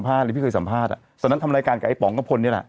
พี่เคยสัมภาษณ์ตอนนั้นทำรายการกับไอ้ป๋องกับพนนี่แหละ